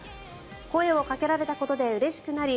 声をかけられたことでうれしくなり